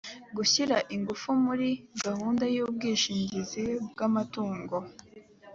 gushyira ingufu muri gahunda y ubwishingizi bw amatungo